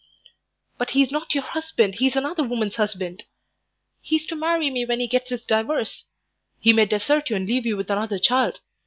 "But he's not your husband; he's another woman's husband." "He's to marry me when he gets his divorce." "He may desert you and leave you with another child."